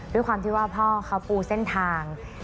ด้วยความที่ว่าพ่อเขาปูเส้นทาง